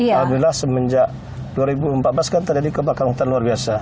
alhamdulillah semenjak dua ribu empat belas kan terjadi kebakaran hutan luar biasa